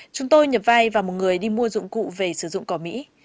chúng tôi nhập vai và một người đi mua dụng cụ về sử dụng cỏ mỹ